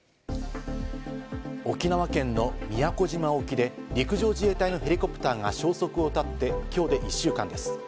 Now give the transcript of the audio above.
沖縄県の宮古島沖で陸上自衛隊のヘリコプターが消息を絶って、今日で１週間です。